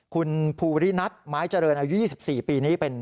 คุณภูรินัทไม้เจริญอายุ๒๔ปีนี้เป็น